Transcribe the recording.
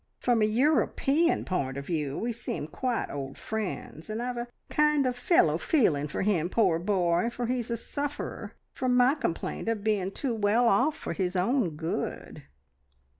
From a European point of view, we seem quite old friends, and I've a kind of fellow feeling for him, poor boy, for he's a sufferer from my complaint of being too well off for his own good."